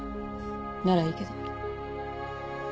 ならいいけど。